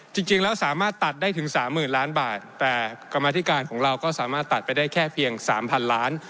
จริงแล้วสามารถตัดได้ถึงสามหมื่นล้านบาทแต่กรรมธิการของเราก็สามารถตัดไปได้แค่เพียงสามพันล้าน